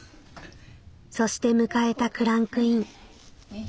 「そして迎えたクランクイン。